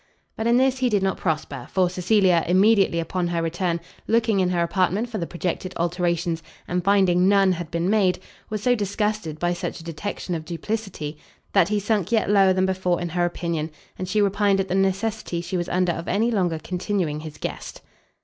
But in this he did not prosper; for Cecilia, immediately upon her return, looking in her apartment for the projected alterations, and finding none had been made, was so disgusted by such a detection of duplicity, that he sunk yet lower than before in her opinion, and she repined at the necessity she was under of any longer continuing his guest.